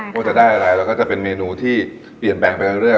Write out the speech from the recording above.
ว่าจะได้อะไรแล้วก็จะเป็นเมนูที่เปลี่ยนแปลงไปเรื่อย